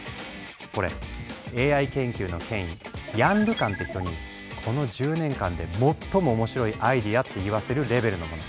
これＡＩ研究の権威ヤン・ルカンって人に「この１０年間で最も面白いアイデア」って言わせるレベルのもの。